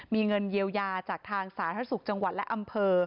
มีเงินเยียวยาจากทางสาธารณสุขจังหวัดและอำเภอ